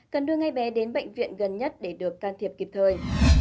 cần đưa ngay bé đến bệnh viện gần nhất để được can thiệp kịp thời